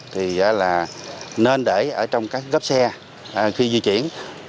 thì là nên để ở trong các gấp xe khi di chuyển